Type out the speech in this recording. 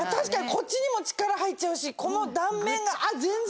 こっちにも力入っちゃうしこの断面があっ全然切れない。